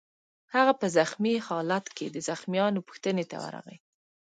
هغه په زخمي خالت کې د زخمیانو پوښتنې ته ورغی